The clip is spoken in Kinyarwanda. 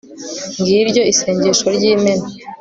ngiryo isengesho ry'imena